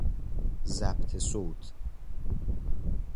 ضبط صوت